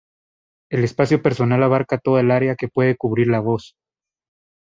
El espacio personal abarca toda el área que puede cubrir la voz.